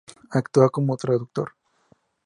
Actúa como traductor.